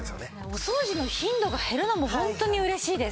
お掃除の頻度が減るのもホントに嬉しいです。